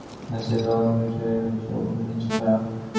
ঘাসে ঢাকা লন, ঢেউয়ের মতো উঁচুনিচু করা।